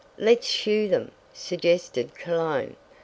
"Let's shoo them," suggested Cologne.